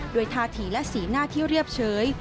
ด้วยทาถีและศีลหน้าที่เรียบเชย